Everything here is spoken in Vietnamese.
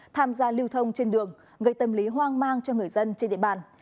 tham gia lưu thông trên đường gây tâm lý hoang mang cho người dân trên địa bàn